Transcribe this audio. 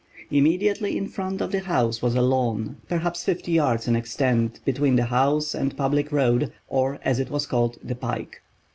Immediately in front of the house was a lawn, perhaps fifty yards in extent between the house and public road, or, as it was called, the "pike."